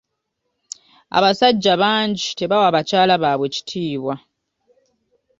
Abasajja bangi tebawa bakyala baabwe kitiibwa.